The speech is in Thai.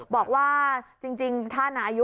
บอกว่าจริงท่านอายุ